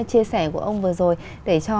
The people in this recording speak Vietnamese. chia sẻ của ông vừa rồi để cho